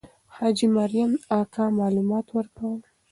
حاجي مریم اکا معلومات ورکول.